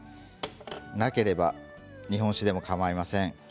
なければ日本酒でもかまいません。